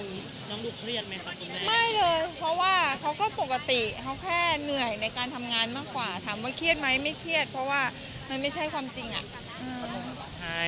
น้องดูเครียดไหมครับไม่เลยเพราะว่าเขาก็ปกติเขาแค่เหนื่อยในการทำงานมากกว่าถามว่าเครียดไหมไม่เครียดเพราะว่ามันไม่ใช่ความจริงอ่ะ